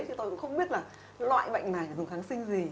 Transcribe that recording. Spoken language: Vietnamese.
chứ tôi cũng không biết là loại bệnh này là dùng kháng sinh gì